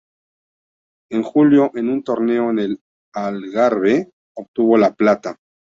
En julio, en un torneo en el Algarve, obtuvo la plata.